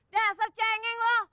dasar cengeng lo